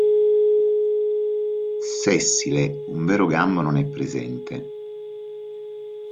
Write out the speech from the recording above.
Sessile, un vero gambo non è presente.